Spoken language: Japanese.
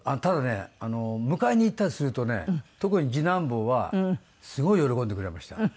ただね迎えに行ったりするとね特に次男坊はすごい喜んでくれました。